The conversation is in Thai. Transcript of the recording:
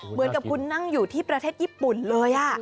เหมือนกับคุณนั่งอยู่ที่ประเทศญี่ปุ่นเลย